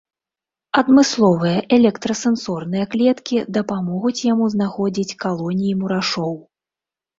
Адмысловыя электрасэнсорныя клеткі дапамогуць яму знаходзіць калоніі мурашоў.